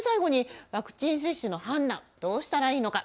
最後にワクチン接種の判断どうしたらいいのか。